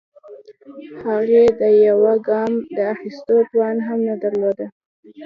هغې د يوه ګام د اخيستو توان هم نه درلوده.